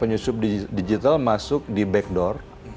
penyusup digital masuk di back door